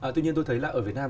tuy nhiên tôi thấy là ở việt nam